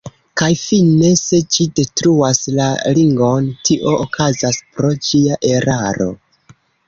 Kaj fine se ĝi detruas la Ringon, tio okazas pro ĝia eraro.